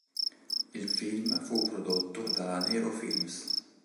Il film fu prodotto dalla Nero Films.